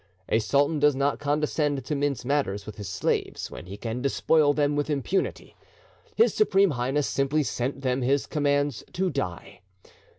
A sultan does not condescend to mince matters with his slaves, when he can despoil them with impunity; His Supreme Highness simply sent them his commands to die.